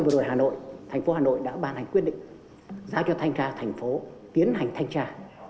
bộ đội hà nội thành phố hà nội đã bàn hành quyết định ra cho thanh tra thành phố tiến hành thanh tra